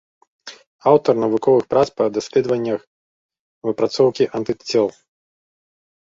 Аўтар навуковых прац па даследаваннях выпрацоўкі антыцел.